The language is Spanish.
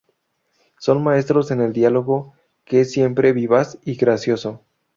Son maestros en el diálogo, que es siempre vivaz y gracioso.